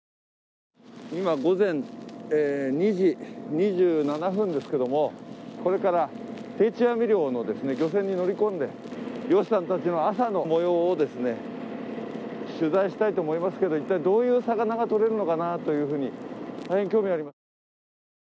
今、午前２時２７分ですけれどもこれから定置網漁の漁船に乗り込んで、漁師さんたちの朝のもようを取材したいと思いますけど、一体どういう魚がとれるのかなと大変興味があります。